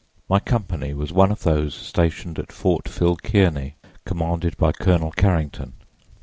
My company was one of those stationed at Fort Phil Kearney, commanded by Colonel Carrington.